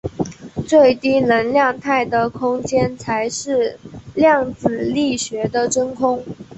最低能量态的空间才是量子力学的真空。